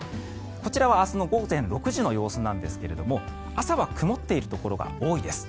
こちらは明日の午前６時の様子なんですが朝は曇っているところが多いです。